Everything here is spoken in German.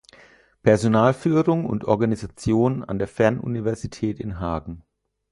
Personalführung und Organisation an der Fernuniversität in Hagen.